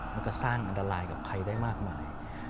มันก็สร้างอันตรายกับใครได้มากมาย